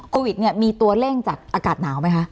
โควิดเนี่ยมีตัวเร่งจากอากาศหนาวไหมคะ